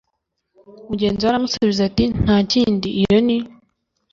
mugenzi we aramusubiza ati nta kindi iyo ni